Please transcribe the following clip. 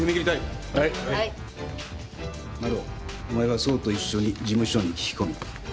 お前は奏と一緒に事務所に聞き込み。